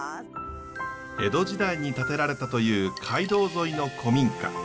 江戸時代に建てられたという街道沿いの古民家。